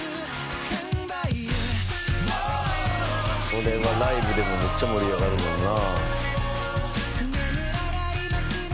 「これはライブでもめっちゃ盛り上がるもんな」